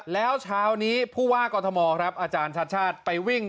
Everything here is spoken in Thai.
แล้วเช้านี้ผู้ว่ากอทมครับอาจารย์ชัดชาติไปวิ่ง